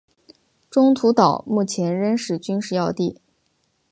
中途岛目前仍是军事要地。